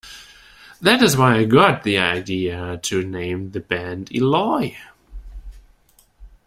That is why I got the idea to name the band 'Eloy'.